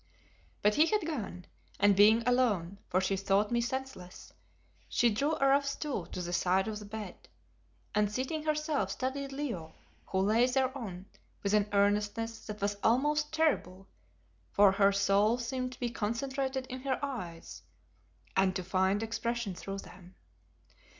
But he had gone, and being alone, for she thought me senseless, she drew a rough stool to the side of the bed, and seating herself studied Leo, who lay thereon, with an earnestness that was almost terrible, for her soul seemed to be concentrated in her eyes, and to find expression through them.